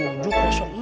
ini mobil bang muhyiddin